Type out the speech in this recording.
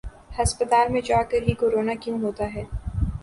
ہسپتال میں جاکر ہی کرونا کیوں ہوتا ہے ۔